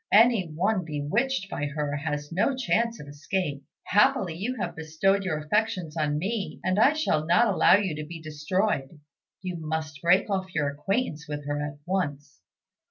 Any one bewitched by her has no chance of escape. Happily, you have bestowed your affections on me, and I shall not allow you to be destroyed. You must break off your acquaintance with her at once."